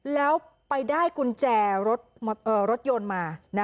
แล้วไปได้กุญแจรถยนต์มา